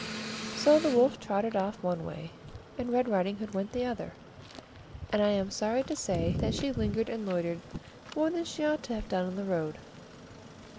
So the Wolf trotted off one way, and Red Riding Hood went the other; and I am sorry to say that she lingered and loitered more than she ought to have done on the road.